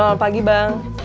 selamat pagi bang